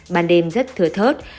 bàn đêm rất thở thớt